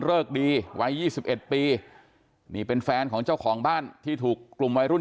เลิกดีวัย๒๑ปีนี่เป็นแฟนของเจ้าของบ้านที่ถูกกลุ่มวัยรุ่น